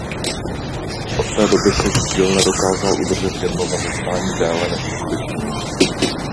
Od té doby si Gil nedokázal udržet jedno zaměstnání déle než několik dní.